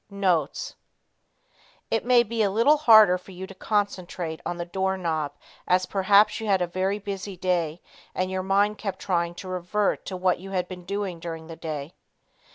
Notes. It may be a little harder for you to concentrate on the door knob as perhaps you had a very busy day and your mind kept trying to revert to what you had been doing during the day.